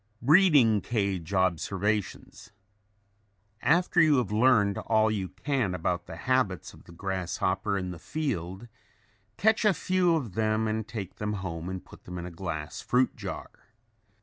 BREEDING CAGE OBSERVATIONS After you have learned all you can about the habits of the grasshopper in the field, catch a few of them and take them home and put them in a glass fruit jar.